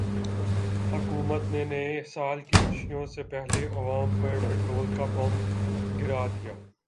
حکومت نے نئے سال کی خوشیوں سے پہلے عوام پر پیٹرول بم گرا دیا